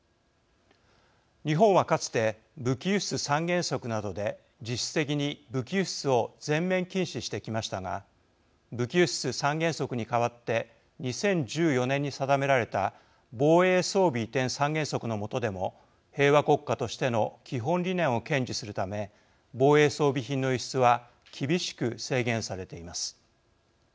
日本はかつて武器輸出三原則などで実質的に武器輸出を全面禁止してきましたが武器輸出三原則に代わって２０１４年に定められた防衛装備移転三原則の下でも平和国家としての基本理念を堅持するため防衛装備品の輸出は厳しく制限されています。